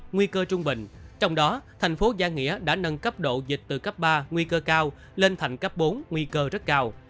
nguy cơ trung bình trong đó thành phố giang nghĩa đã nâng cấp độ dịch từ cấp ba nguy cơ cao lên thành cấp bốn nguy cơ rất cao